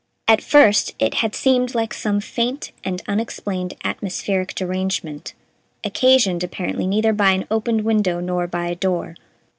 At first it had seemed like some faint and unexplained atmospheric derangement, occasioned, apparently, neither by an opened window nor by a door.